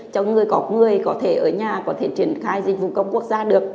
cho người có người có thể ở nhà có thể triển khai dịch vụ công quốc gia được